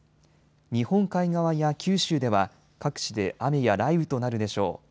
日本海側や九州では各地で雨や雷雨となるでしょう。